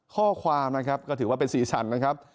ข้อความนะครับก็ถือว่าเป็นสีสันนะครับ